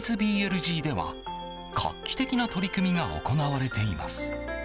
では画期的な取り組みが行われています。